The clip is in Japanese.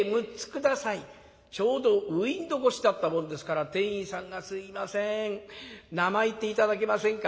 ちょうどウインドー越しだったもんですから店員さんが「すいません名前言って頂けませんか？」。